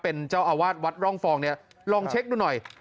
เป็นเจ้าอาวาสวัดร่องฟองเนี่ยลองเช็คดูหน่อย